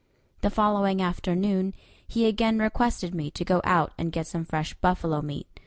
The following afternoon he again requested me to go out and get some fresh buffalo meat.